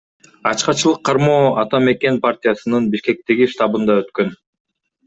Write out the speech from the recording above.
Ачкачылык кармоо Ата мекен партиясынын Бишкектеги штабында өткөн.